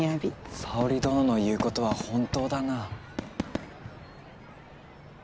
沙織殿の言うことは本当だな。